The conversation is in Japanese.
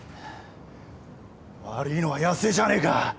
悪ぃのは矢瀬じゃねえか！